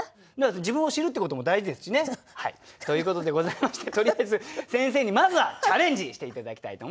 自分を知るってことも大事ですしね。ということでございましてとりあえず先生にまずはチャレンジして頂きたいと思います。